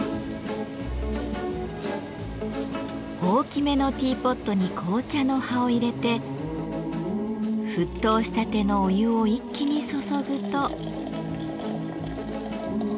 大きめのティーポットに紅茶の葉を入れて沸騰したてのお湯を一気に注ぐと。